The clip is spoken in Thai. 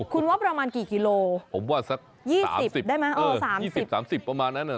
คุณว่าประมาณกี่กิโลกรัมสัก๓๐ประมาณนั้นเหรอนะ